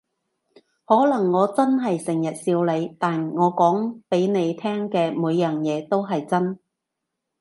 可能我真係成日笑你，但我講畀你聽嘅每樣嘢都係真